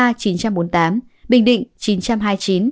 bình định chín trăm hai mươi chín